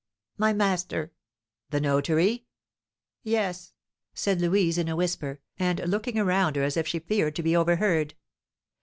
"My master!" "The notary?" "Yes," said Louise in a whisper, and looking around her as if she feared to be overheard.